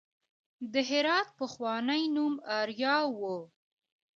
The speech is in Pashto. د هرات پخوانی نوم اریا و